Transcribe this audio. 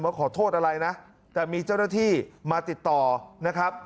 ขอโทษอะไรนะแต่มีเจ้าหน้าที่มาติดต่อนะครับ